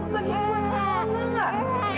bagi buat salam